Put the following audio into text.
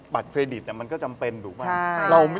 เครดิตมันก็จำเป็นถูกไหม